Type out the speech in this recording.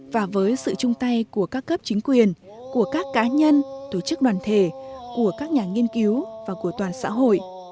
và với sự chung tay của các cấp chính quyền của các cá nhân tổ chức đoàn thể của các nhà nghiên cứu và của toàn xã hội